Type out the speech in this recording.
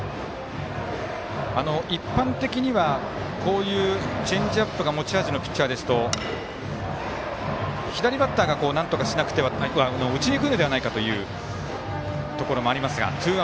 一般的には、こういうチェンジアップが持ち味のピッチャーですと左バッターが打ちにくいのではないかというところもありますが。